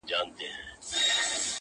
هغه راغی لکه خضر ځلېدلی!!